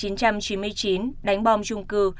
năm một nghìn chín trăm chín mươi chín đánh bom chung cư